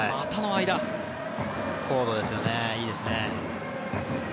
高度ですよね、いいですね。